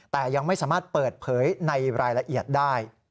แต่ยังไม่สามารถเปิดเผยในรายละเอียดได้